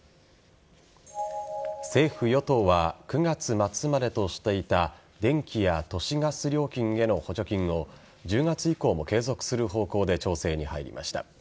政府与党は９月末までとしていた電気や都市ガス料金への補助金を１０月以降も継続する方向で調整に入りました。